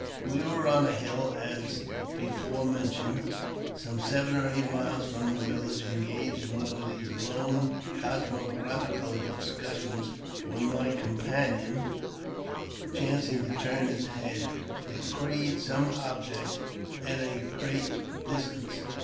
We were on a hill, as before mentioned, some seven or eight miles from the village, engaged in one of these long cosmo graphical discussions, when my companion, chancing to turn his head, descried some object at a great distance.